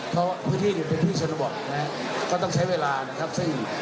เพราะว่าพืชนที่น่าเป็นพืชชนบทน่ะก็ต้องใช้เวลาจริง